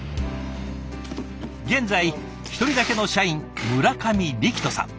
現在一人だけの社員村上力斗さん。